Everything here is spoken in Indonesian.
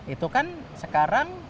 itu kan sekarang